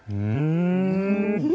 うん！